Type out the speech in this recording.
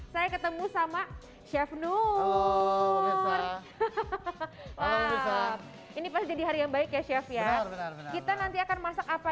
saya ketemu sama chef nur hahaha ini pasti jadi hari yang baik ya chef ya kita nanti akan masak apa